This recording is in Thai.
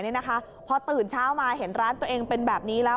นี่นะคะพอตื่นเช้ามาเห็นร้านตัวเองเป็นแบบนี้แล้ว